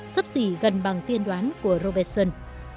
sắp xỉ gần bằng tiên đoán của robertson